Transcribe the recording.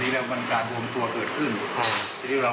แล้วเรียกว่าจะ๑๒๐๐เหลียดร้อน